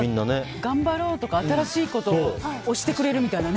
頑張ろうとか、新しいことを押してくれるっていうね。